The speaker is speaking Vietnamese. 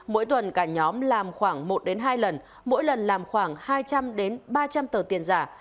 mỗi tuần cả nhóm làm khoảng một hai lần mỗi lần làm khoảng hai trăm linh ba trăm linh tờ tiền giả